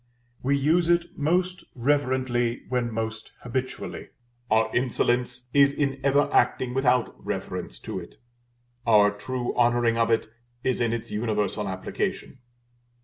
We use it most reverently when most habitually: our insolence is in ever acting without reference to it, our true honoring of it is in its universal application.